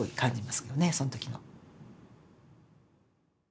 その時の。